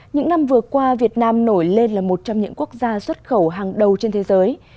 những năm vừa qua việt nam nổi lên là một trong những quốc gia xuất khẩu hàng đầu trên thế giới